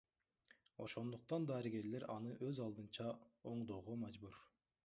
Ошондуктан дарыгерлер аны өз алдынча оңдогонго мажбур.